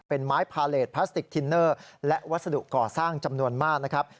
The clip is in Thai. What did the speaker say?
เป็นไม้พาเลสพลาสติกทินเนอร์และวัสดุก่อสร้างจำนวนมากนะครับ